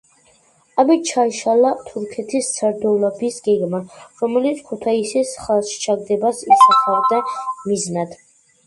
ამით ჩაიშალა თურქეთის სარდლობის გეგმა, რომელიც ქუთაისის ხელში ჩაგდებას ისახავდა მიზნად.